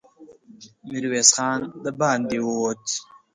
ميرويس خان د باندې ووت.